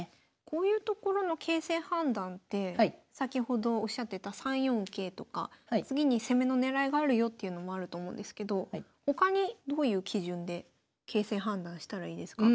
こういうところの形勢判断って先ほどおっしゃってた３四桂とか次に攻めの狙いがあるよっていうのもあると思うんですけど他にどういう基準で形勢判断したらいいですか？